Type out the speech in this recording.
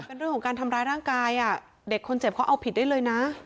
เป็นเรื่องของการทำร้ายร่างกายอ่ะเด็กคนเจ็บเขาเอาผิดได้เลยนะ